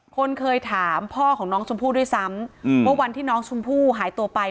คนเคยถามพ่อของน้องชมพู่ด้วยซ้ำว่าวันที่น้องชมพู่หายตัวไป